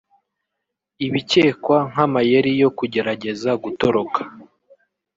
ibikekwa nk’amayeri yo kugerageza gutoroka